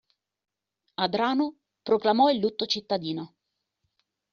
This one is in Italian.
Adrano proclamò il lutto cittadino.